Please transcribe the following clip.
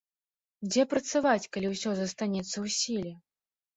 Дзе працаваць, калі ўсё застанецца ў сіле?